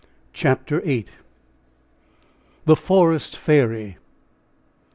CHAPTER VIII THE FOREST FAIRY.